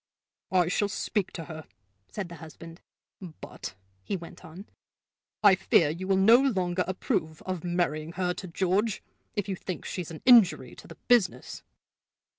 "I shall speak to her," said the husband. "But," he went on, "I fear you will no longer approve of marrying her to George, if you think she's an injury to the business!"